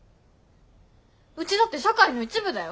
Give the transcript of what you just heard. うちだって社会の一部だよ。